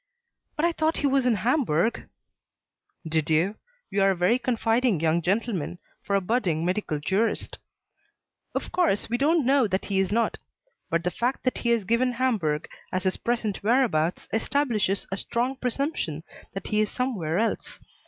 "But I thought he was in Hamburg?" "Did you? You are a very confiding young gentleman, for a budding medical jurist. Of course we don't know that he is not; but the fact that he has given Hamburg as his present whereabouts establishes a strong presumption that he is somewhere else.